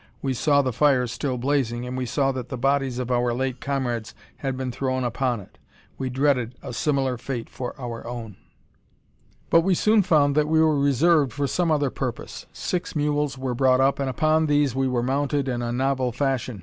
We saw the fire still blazing, and we saw that the bodies of our late comrades had been thrown upon it. We dreaded a similar fate for our own. But we soon found that we were reserved for some other purpose. Six mules were brought up, and upon these we were mounted in a novel fashion.